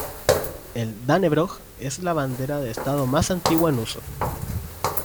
El "Dannebrog" es la bandera de Estado más antigua en uso.